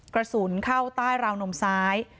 กระสุนเข้าใต้ราวนมซ้าย